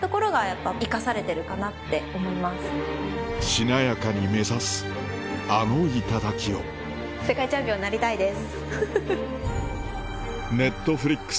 しなやかに目指すあの頂を世界チャンピオンになりたいです。